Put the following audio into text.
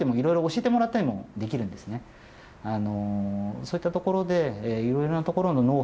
そういったところで。